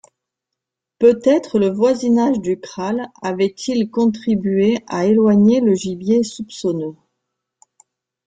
Peut-être le voisinage du kraal avait-il contribué à éloigner le gibier soupçonneux.